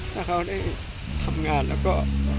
ถ้าเขาได้ทำงานแล้วก็